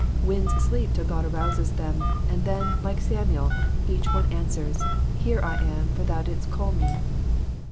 Winds sleep till God Hrouses them, and then, like Samuel, each one answers, Here am I, for thou didst call me.''